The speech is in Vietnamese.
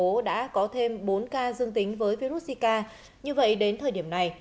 trường hợp nhiễm zika xứng tính với virus zika như vậy đến thời điểm này